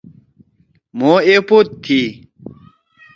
مھو ایپوت تھی۔